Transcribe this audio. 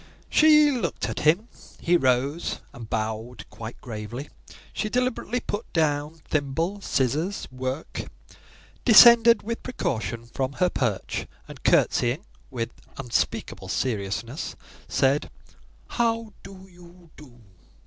She looked at him; he rose and bowed quite gravely. She deliberately put down thimble, scissors, work; descended with precaution from her perch, and curtsying with unspeakable seriousness, said, "How do you do?"